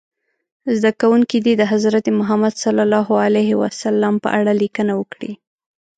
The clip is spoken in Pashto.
زده کوونکي دې د حضرت محمد ص په اړه لیکنه وکړي.